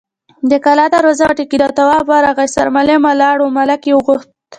د کلا دروازه وټکېده، تواب ورغی، سرمعلم ولاړ و، ملک يې غوښت.